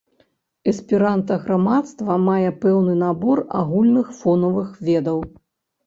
Эсперанта-грамадства мае пэўны набор агульных фонавых ведаў.